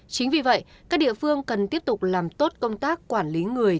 chính vì vậy các địa phương cần tiếp tục làm tốt công tác quản lý người